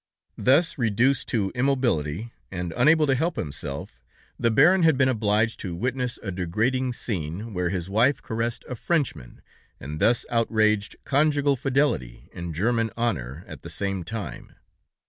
Thus, reduced to immobility, and unable to help himself, the baron had been obliged to witness a degrading scene, where his wife caressed a Frenchman, and thus outraged conjugal fidelity and German honor at the same time.